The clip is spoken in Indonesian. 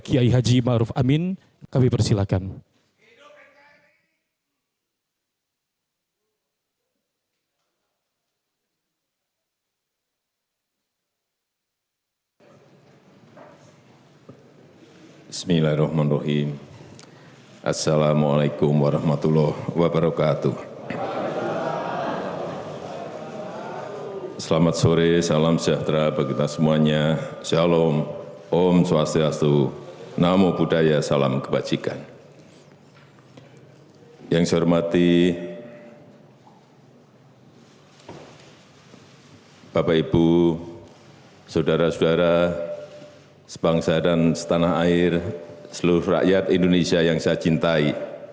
yang saya hormati bapak ibu saudara saudara sebangsa dan setanah air seluruh rakyat indonesia yang saya cintai